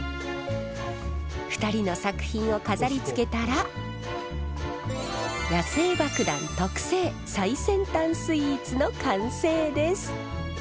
２人の作品を飾りつけたら野性爆弾特製最先端スイーツの完成です。